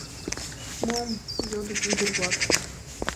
— Мом? — йодыт ӱдыр-влак.